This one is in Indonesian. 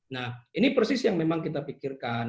nah ini persis yang memang kita pikirkan